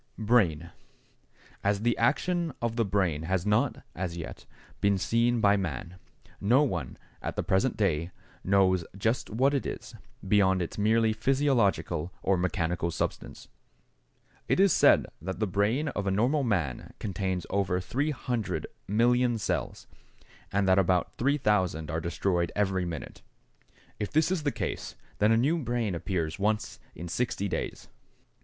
=Brain.= As the action of the brain has not, as yet, been seen by man, no one, at the present day, knows just what it is, beyond its merely physiological or mechanical substance. It is said that the brain of the normal man contains over 300,000,000 cells, and that about 3,000 are destroyed every minute. If this is the case, then a new brain appears once in 60 days.